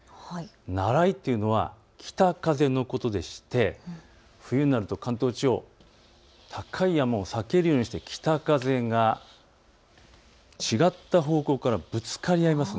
ならいというのは北風のことでして冬になると関東地方、高い山を避けるようにして北風が違った方向からぶつかり合います。